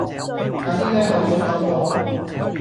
快啲 𦧲 口水講過